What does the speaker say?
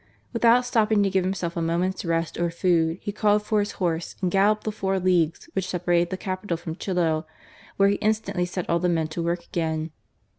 Without stopping to give himself a moment's rest or food, he called for his horse and galloped the four leagues which separated the capital from Chillo, where he instantly set all the men to work again.